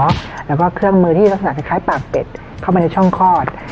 คือเครื่องมือที่สักหนักคล้ายปากเป็ดเข้ามันในช่องคลอด